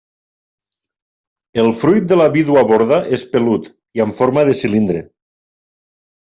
El fruit de la vídua borda és pelut i amb forma de cilindre.